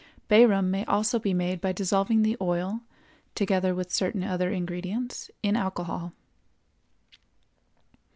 Bay rum may also be made by dissolving the oil, together with certain other ingredients, in alcohol.